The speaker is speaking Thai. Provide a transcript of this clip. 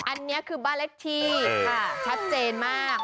อันนี้คือบ้านเลขที่ชัดเจนมาก